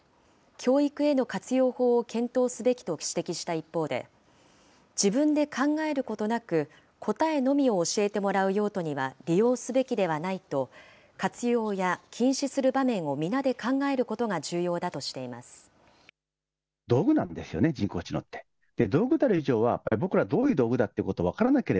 教育への活用法を検討すべきと指摘した一方で、自分で考えることなく答えのみを教えてもらう用途には利用すべきではないと活用や禁止する場面を皆で考えることが重要だとしていでは、全国の天気をコンパクトにお伝えします。